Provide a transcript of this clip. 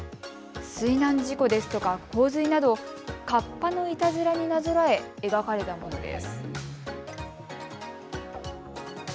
水難事故ですとか、洪水などをかっぱのいたずらになぞらえ描かれたものです。